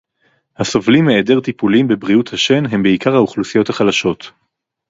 הסובלים מהיעדר טיפולים בבריאות השן הם בעיקר האוכלוסיות החלשות